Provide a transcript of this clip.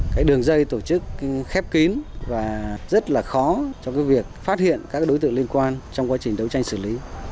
cái đường dây tổ chức khép kín và rất là khó trong cái việc phát hiện các đối tượng liên quan trong quá trình đấu tranh xử lý